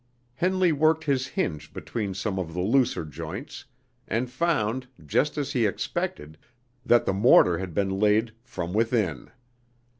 Henley worked his hinge between some of the looser joints, and found, just as he expected, that the mortar had been laid from within.